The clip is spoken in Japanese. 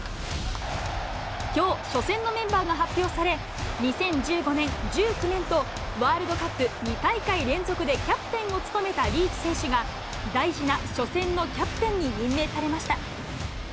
きょう初戦のメンバーが発表され、２０１５年、１９年と、ワールドカップ２大会連続でキャプテンを務めたリーチ選手が、大事な初戦のキャプテンに任命されました。